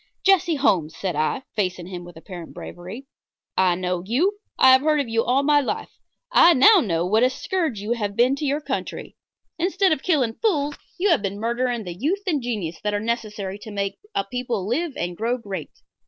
"Jesse Holmes," said I, facing him with apparent bravery, "I know you. I have heard of you all my life. I know now what a scourge you have been to your country. Instead of killing fools you have been murdering the youth and genius that are necessary to make a people live and grow great.